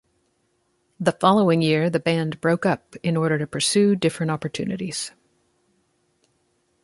The following year the band broke up in order to pursue different opportunities.